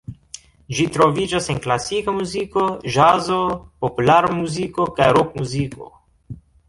Ĝi troviĝas en klasika muziko, ĵazo, populara muziko kaj rokmuziko.